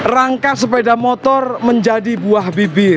rangka sepeda motor menjadi buah bibir